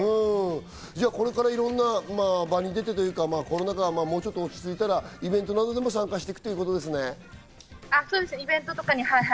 これからいろんな場に出て、コロナ禍がもうちょっと落ち着いたら、イベントなどにも参加してそうですね。